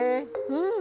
うん。